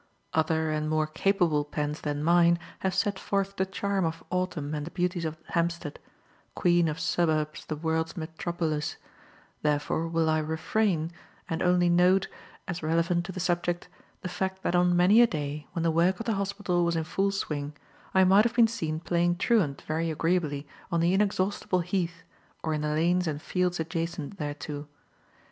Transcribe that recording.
Other and more capable pens than mine have set forth the charm of autumn and the beauties of Hampstead queen of suburbs of the world's metropolis; therefore will I refrain, and only note, as relevant to the subject, the fact that on many a day, when the work of the hospital was in full swing, I might have been seen playing truant very agreeably on the inexhaustible Heath or in the lanes and fields adjacent thereto.